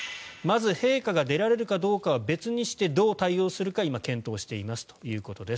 まず陛下が出られるかどうかは別としてどう対応するかは検討していますということです。